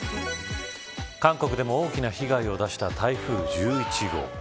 韓国でも大きな被害を出した台風１１号。